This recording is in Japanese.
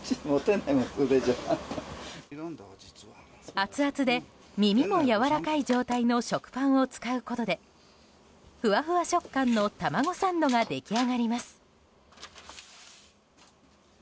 アツアツで耳もやわらかい状態の食パンを使うことでふわふわ食感のタマゴサンドが出来上がります。